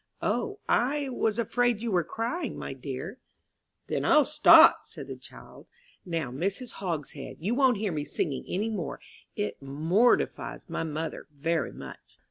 "O, I was afraid you were crying, my dear." "Then I'll stop," said the child. "Now, Mrs. Hogshead, you won't hear me singing any more, it mortifies my mother very much."